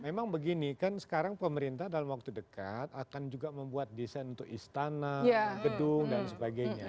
memang begini kan sekarang pemerintah dalam waktu dekat akan juga membuat desain untuk istana gedung dan sebagainya